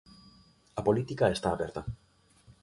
A política está aberta.